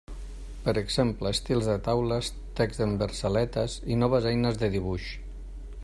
Per exemple, estils de taules, text en versaletes i noves eines de dibuix.